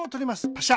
パシャ。